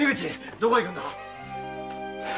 どこへ行くんだ。